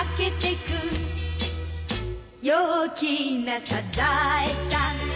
「陽気なサザエさん」